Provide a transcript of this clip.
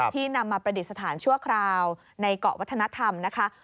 นำมาประดิษฐานชั่วคราวในเกาะวัฒนธรรมนะคะ